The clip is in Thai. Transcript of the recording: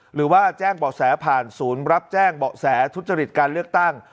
หรือว่าแจ้งเบาะแสผ่านศูนย์รับแจ้งเบาะแสทุจริตการเลือกตั้ง